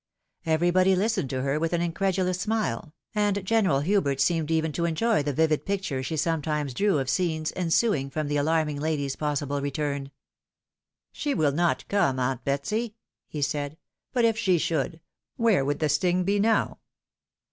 Everybody listened to her with an incredulous smile ; and General Hubert seemed even to enjoy the vivid pictures she sometimes drew of scenes ensuing from the alarming lady's possible return. "She will not come, aunt Betsy," he said; "but if she should, where would the sting be now